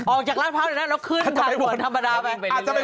ออกจากราชพร้าวแล้วเราขึ้นถัดกวนธรรมดาไป